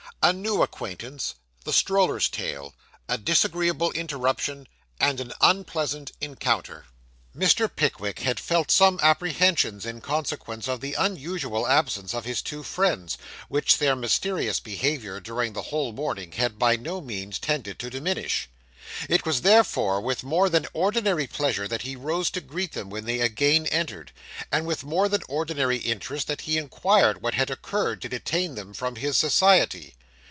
A NEW ACQUAINTANCE THE STROLLER'S TALE A DISAGREEABLE INTERRUPTION, AND AN UNPLEASANT ENCOUNTER Mr. Pickwick had felt some apprehensions in consequence of the unusual absence of his two friends, which their mysterious behaviour during the whole morning had by no means tended to diminish. It was, therefore, with more than ordinary pleasure that he rose to greet them when they again entered; and with more than ordinary interest that he inquired what had occurred to detain them from his society.